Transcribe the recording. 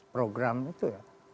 program itu ya